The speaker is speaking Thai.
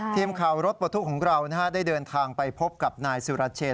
ทีมข่าวรถปลดทุกข์ของเราได้เดินทางไปพบกับนายสุรเชน